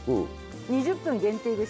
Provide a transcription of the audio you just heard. ２０分限定ですから。